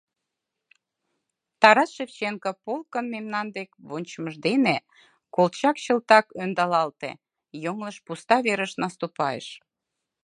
«Тарас Шевченко» полкын мемнан дек вончымыж дене Колчак чылтак ондалалте: йоҥылыш пуста верыш наступайыш.